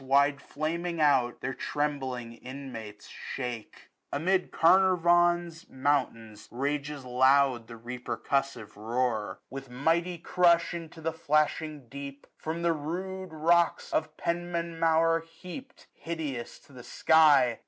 Wide flaming out, their trembling inmates shake* Amid Carnarvon's mountains rages loud 11 61 The repercussive roar : with mighty crush. Into the flashing deep, from the rude rocks Of Penmanmaur heap'd hideous to the sky.